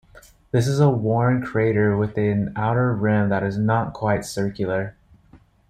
This is a worn crater with an outer rim that is not quite circular.